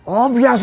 oh biasa saja